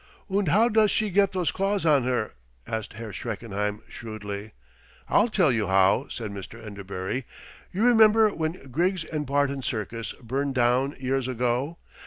"Und how does she get those claws on her?" asked Herr Schreckenheim shrewdly. "I'll tell you how," said Mr. Enderbury. "You remember when Griggs' & Barton's Circus burned down years ago?